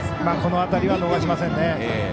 この辺りは逃しませんね。